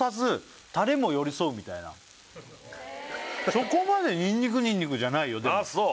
そこまでニンニクニンニクじゃないよああそう？